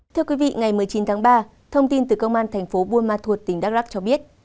thưa quý vị ngày một mươi chín tháng ba thông tin từ công an thành phố buôn ma thuột tỉnh đắk lắc cho biết